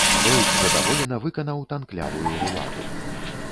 Той задаволена выканаў танклявую руладу.